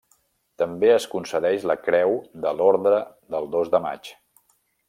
També es concedeix la Creu de l'Orde del dos de maig.